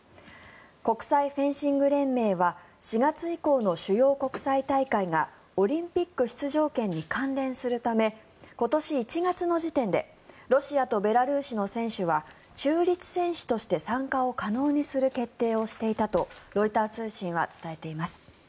国際フェンシング連盟は４月以降の主要国際大会がオリンピック出場権に関連するため今年１月の時点でロシアとベラルーシの選手は中立選手として参加を可能にする決定をしていたとロイター通信は伝えています。